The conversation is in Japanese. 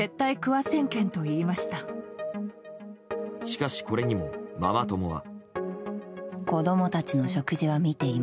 しかしこれにも、ママ友は。